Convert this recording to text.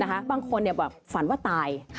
นะคะบางคนเนี่ยแบบฝันว่าตาย